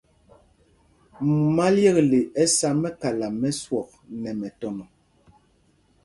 Mumá yekle ɛ sá mɛ́kala mɛ swɔk nɛ mɛtɔnɔ.